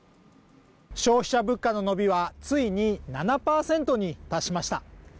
消費者物価の伸びはついに７％に達しました